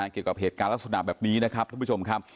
เกี่ยวกับเหตุการณ์ลักษณะแบบนี้นะครับท่านผู้ชมครับ